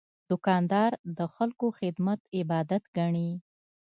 دوکاندار د خلکو خدمت عبادت ګڼي.